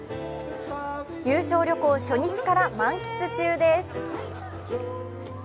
優勝旅行初日から満喫中です。